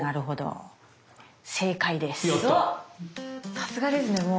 さすがですねもう。